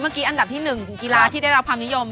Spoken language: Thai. อันดับที่๑กีฬาที่ได้รับความนิยม